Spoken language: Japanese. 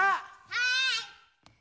はい！